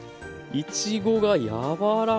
いちごが柔らかい。